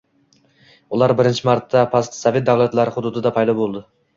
Ular birinchi marta postsovet davlatlari hududida paydo bo‘ldi.